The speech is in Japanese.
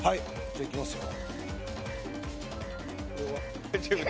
じゃあいきますよ。